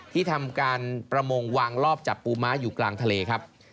ที่ทำการประมงวางรอบจับปูม้าอยู่กลางทะเลครับ